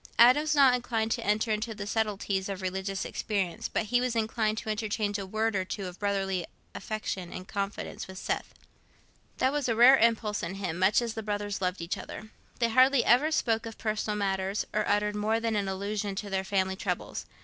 Adam was not inclined to enter into the subtleties of religious experience, but he was inclined to interchange a word or two of brotherly affection and confidence with Seth. That was a rare impulse in him, much as the brothers loved each other. They hardly ever spoke of personal matters, or uttered more than an allusion to their family troubles.